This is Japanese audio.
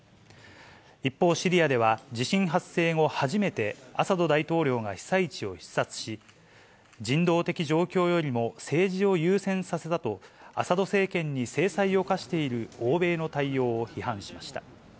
一方、シリアでは地震発生後初めて、アサド大統領が被災地を視察し、人道的状況よりも政治を優先させたと、アサド政権に制裁を科している欧米の対応を批判しました。